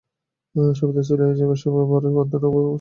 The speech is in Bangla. সুবিধা ছিল এই যে, ব্যবসায়ের ভরা মধ্যাহ্নে তার অবকাশমাত্র ছিল না।